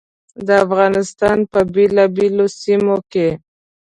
د افغانستان په بېلابېلو سیمو کې.